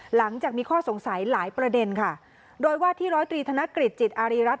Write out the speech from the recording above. หลังจากมีข้อสงสัยหลายประเด็นค่ะโดยว่าที่ร้อยตรีธนกฤษจิตอารีรัฐ